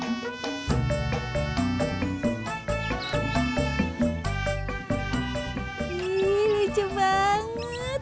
iy lucu banget